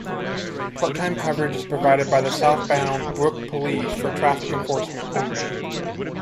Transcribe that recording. Part-time coverage is provided by the South Bound Brook Police for traffic enforcement only.